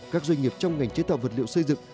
các doanh nghiệp trong ngành chế tạo vật liệu xây dựng